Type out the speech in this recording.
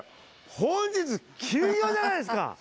本日休業じゃないですか！